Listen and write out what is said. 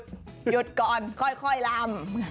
หยุดก่อนค่อยลำ